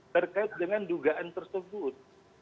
terkait dengan dugaan tersebut